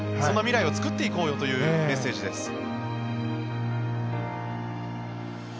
そんな未来を作っていこうよというメッセージです。